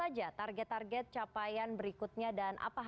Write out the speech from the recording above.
apa saja target target capaian para atlet di paralimpiade